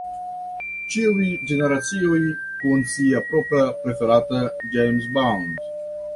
Ĉiuj generacioj kun sia propra preferata James Bond.